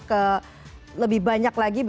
ke lebih banyak lagi